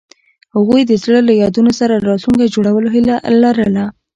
هغوی د زړه له یادونو سره راتلونکی جوړولو هیله لرله.